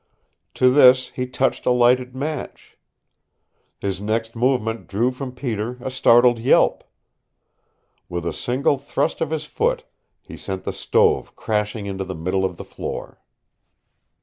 To this he touched a lighted match. His next movement drew from Peter a startled yelp. With a single thrust of his foot he sent the stove crashing into the middle of the floor.